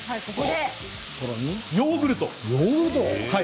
ヨーグルト。